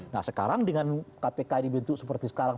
nah sekarang dengan kpk dibentuk seperti sekarang